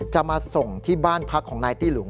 จะมาส่งที่บ้านพักของนายตี้หลุง